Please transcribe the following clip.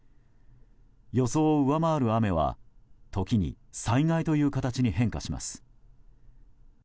予想を上回る雨は時に災害という形に変化します。